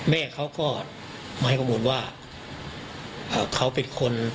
แม่เขาก็มาให้ข้อมูลว่าเขาเป็นคน